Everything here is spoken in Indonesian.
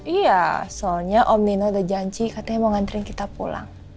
iya soalnya om nino udah janji katanya mau ngantrin kita pulang